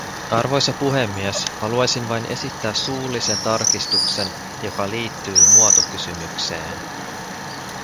Arvoisa puhemies, haluaisin vain esittää suullisen tarkistuksen, joka liittyy muotokysymykseen.